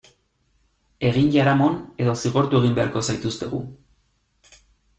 Egin jaramon edo zigortu egin beharko zaituztegu.